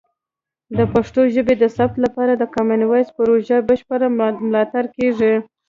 د پښتو ژبې د ثبت لپاره د کامن وایس پروژې بشپړ ملاتړ کیږي.